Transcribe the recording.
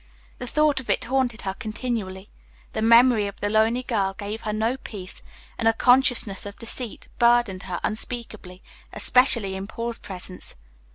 The thought of it haunted her continually; the memory of the lonely girl gave her no peace; and a consciousness of deceit burdened her unspeakably, especially in Paul's presence.